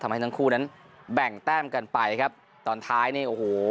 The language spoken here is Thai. ทำให้ทั้งคู่นั้นแบ่งแต้มกันไปครับตอนท้ายนี่โอ้โห